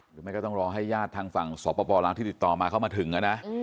ไม่ต้องรอให้ญาติทางฝั่งสปลาวที่ติดต่อมาเข้ามาถึงนะ